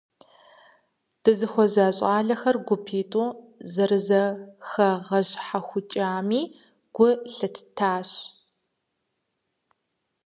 Дызыхуэза щIалэхэр гупитIу зэрызэхэгъэщхьэхукIами гу лъыттащ.